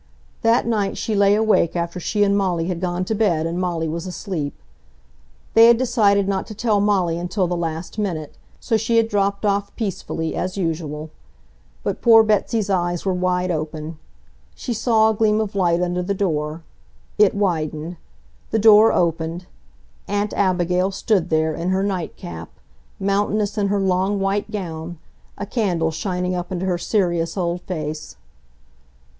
That night she lay awake after she and Molly had gone to bed and Molly was asleep. They had decided not to tell Molly until the last minute, so she had dropped off peacefully, as usual. But poor Betsy's eyes were wide open. She saw a gleam of light under the door. It widened; the door opened. Aunt Abigail stood there, in her night cap, mountainous in her long white gown, a candle shining up into her serious old face.